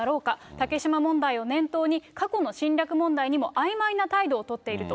竹島問題を念頭に過去の侵略問題にもあいまいな態度を取っていると。